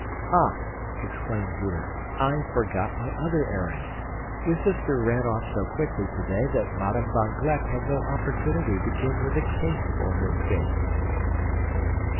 "Ah," exclaimed Peter, "I forgot my other errand. Your sister ran off so quickly today that Madame van Gleck had no opportunity to give her the case for her skates."